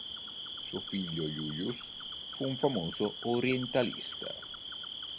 Suo figlio Julius fu un famoso orientalista.